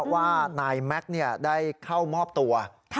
ว่านายแม็กซ์ได้เข้ามอบตัว